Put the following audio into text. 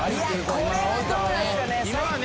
これはどうなんすかね。